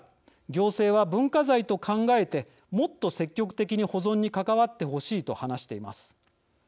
行政は文化財と考えてもっと積極的に保存に関わってほしい」と話しています。